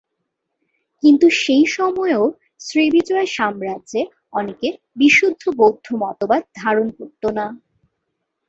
কিন্তু সেই সময়েও শ্রীবিজয় সাম্রাজ্যে অনেকে বিশুদ্ধ বৌদ্ধ মতবাদ ধারণ করতো না।